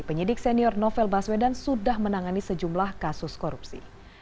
penyidik senior novel baswedan sudah menangani sejumlah kasus korupsi